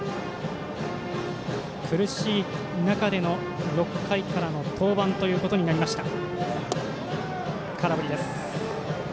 苦しい中での６回からの登板となりました。